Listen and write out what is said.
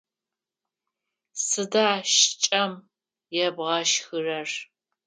Сыда шкӏэм ебгъэшхырэр?